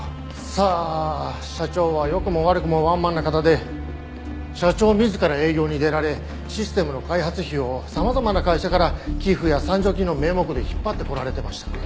さあ社長は良くも悪くもワンマンな方で社長自ら営業に出られシステムの開発費を様々な会社から寄付や賛助金の名目で引っ張ってこられてましたから。